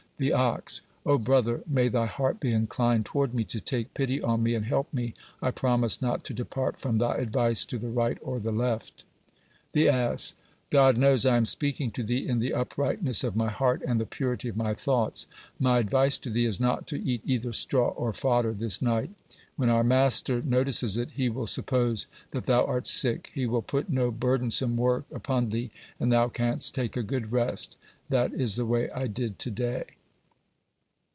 The ox: "O brother, may thy heart be inclined toward me, to take pity on me and help me. I promise not to depart from thy advice to the right or the left." The ass: "God knows, I am speaking to thee in the uprightness of my heart and the purity of my thoughts. My advice to thee is not to eat either straw or fodder this night. When our master notices it, he will suppose that thou art sick. He will put no burdensome work upon thee, and thou canst take a good rest. That is the way I did to day."